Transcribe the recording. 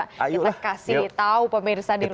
kita kasih tahu pemirsa di rumah